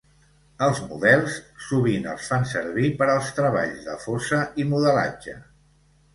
Els models sovint els fan servir per als treballs de fosa i modelatge.